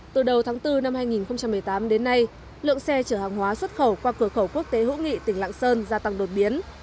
từ đầu tháng bốn năm hai nghìn một mươi tám đến nay lượng xe chở hàng hóa xuất khẩu qua cửa khẩu quốc tế hữu nghị tỉnh lạng sơn gia tăng đột biến